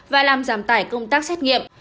và làm giảm tải công tác xét nghiệm